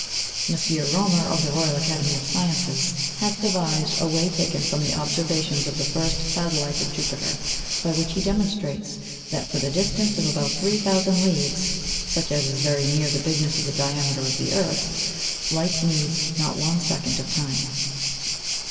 M. Romer, of the Royal Academy of Sciences, hath devised a way taken from the Observations of the first Satellit of Jupiter, by which he demonstrates, that for the distance of about 3000 Leagues, such as is very near the bigness of the Diameter of the Earth, Light needs not one Second of Time.